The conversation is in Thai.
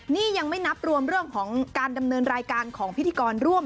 นี่ยังไม่นับรวมเรื่องของการดำเนินรายการของพิธีกรร่วม